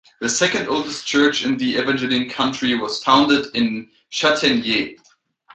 The second oldest church in the Evangeline country was founded in Chataignier.